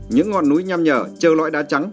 những ngọn núi nham nhở trờ loại đá trắng